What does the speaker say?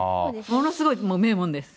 ものすごい名門です。